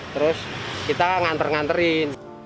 terus kita nganter nganterin